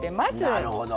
なるほど。